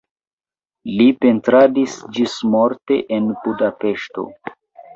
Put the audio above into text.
Li pentradis ĝismorte en Budapeŝto.